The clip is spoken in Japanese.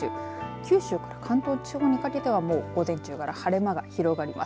九州から関東地方にかけては午前中から晴れ間が広がります。